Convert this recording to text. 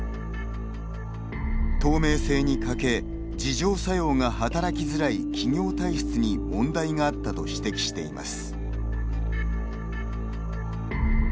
透明性に欠け自浄作用が働きづらい企業体質に問題があったと指摘しています。